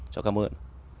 cháu cảm ơn